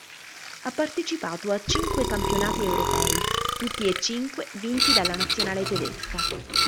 Ha partecipato a cinque campionati europei, tutti e cinque vinti dalla nazionale tedesca.